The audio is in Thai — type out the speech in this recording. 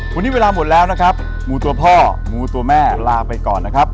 วันนี้เวลาหมดแล้วนะครับหมูตัวพ่อหมูตัวแม่ลาไปก่อนนะครับ